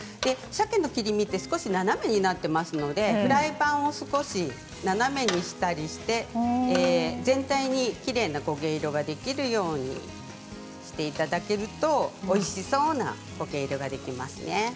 さけの切り身は少し斜めになっていますのでフライパンを少し斜めにしたりして全体に、きれいな焦げ色ができるようにしていただけると、、おいしそうな焦げ色ができますね。